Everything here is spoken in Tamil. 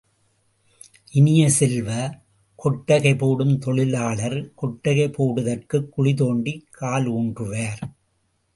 இனிய செல்வ, கொட்டகை போடும் தொழிலாளர் கொட்டகை போடுதற்குக் குழிதோண்டிக் காலூன்றுவார்.